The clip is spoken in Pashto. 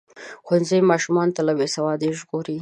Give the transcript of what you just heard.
ښوونځی ماشومان له بې سوادۍ ژغوري.